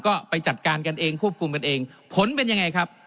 ก็ไปจัดการกันเองควบคุมกันเองผลเป็นยังไงครับ